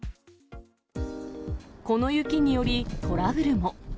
この雪により、トラブルも。